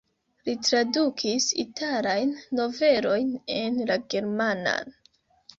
Li tradukis italajn novelojn en la germanan.